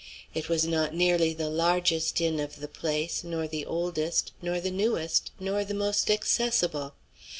It was not nearly the largest inn of the place, nor the oldest, nor the newest, nor the most accessible.